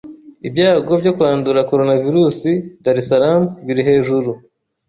Ibyago byo kwandura coronavirus Dar-es-Salaam biri hejuru